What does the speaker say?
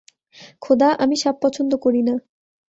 খোদা, আমি সাপ পছন্দ করি না।